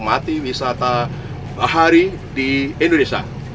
mati wisata bahari di indonesia